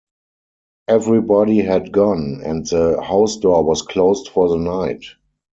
Everybody had gone, and the house door was closed for the night.